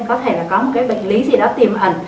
có thể là có một cái bệnh lý gì đó tiềm ẩn